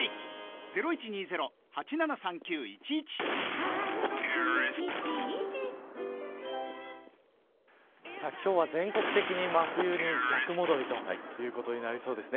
新「アタックＺＥＲＯ」今日は全国的に真冬に逆戻りということになりそうです。